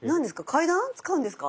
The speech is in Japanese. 階段使うんですか？